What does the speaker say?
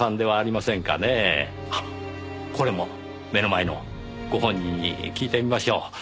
あっこれも目の前のご本人に聞いてみましょう。